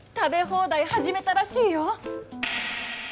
放題始めたらしいよ。